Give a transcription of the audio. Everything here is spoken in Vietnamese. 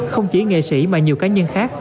không chỉ nghệ sĩ mà nhiều cá nhân khác